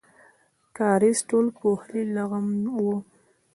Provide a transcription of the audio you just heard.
کاریز ټول پوښلی لغم و.